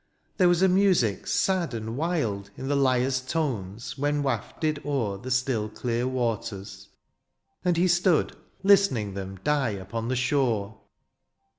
There was a music sad and wild In the lyre's tones when wafted o'er THE AREOPAGITE. 53 f The still clear waters^ and he stood Listening them die upon the shore.